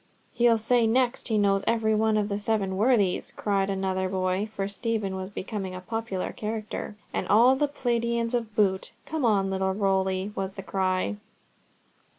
"He'll say next he knows every one of the Seven Worthies," cried another boy, for Stephen was becoming a popular character. "And all the paladins to boot. Come on, little Rowley!" was the cry.